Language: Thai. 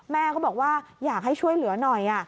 แม่ก็บอกว่าอยากให้ช่วยเหลือหน่อย